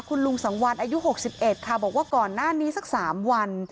คุณลุงสังวันอายุ๖๑ค่ะบอกว่าก่อนหน้านี้สัก๓วัน